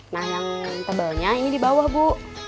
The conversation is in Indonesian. nah yang tebalnya ini dibawah bu